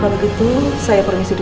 kalau gitu saya permisi dulu